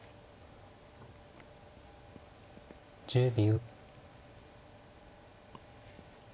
１０秒。